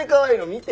見て！